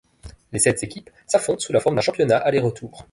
Les sept équipes s'affrontent sous la forme d'un championnat aller-retour.